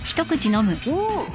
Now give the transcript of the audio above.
うん！